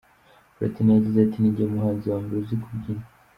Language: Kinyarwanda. Platini yagize ati "Ninjye muhanzi wa mbere uzi kubyina.